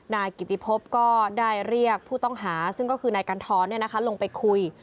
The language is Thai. นายกิติพบก็ได้เรียกผู้ต้องหาซึ่งก็คือนายกัณฑรลงไปคุย